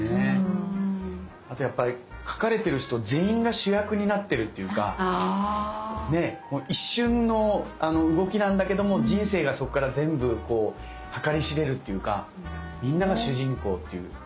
あとやっぱり描かれてる人全員が主役になってるっていうか一瞬の動きなんだけども人生がそっから全部計り知れるっていうかみんなが主人公っていう。